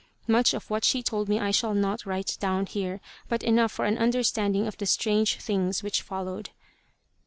Much of what she told me I shall not write down here; but enough for an understanding of the strange things which followed.